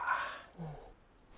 うん。